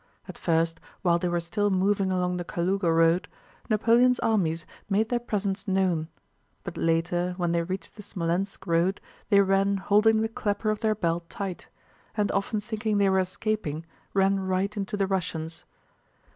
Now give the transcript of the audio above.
At first while they were still moving along the Kalúga road, Napoleon's armies made their presence known, but later when they reached the Smolénsk road they ran holding the clapper of their bell tight—and often thinking they were escaping ran right into the Russians.